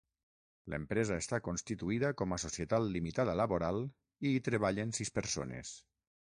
L'empresa està constituïda com a societat limitada laboral i hi treballen sis persones.